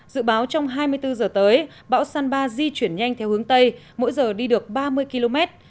dự báo trong hai mươi bốn giờ tới bão sanba di chuyển nhanh theo hướng tây mỗi giờ đi được ba mươi km